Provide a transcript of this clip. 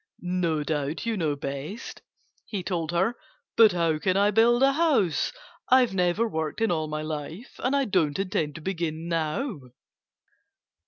"No doubt you know best," he told her. "But how can I build a house? I've never worked in all my life. And I don't intend to begin now."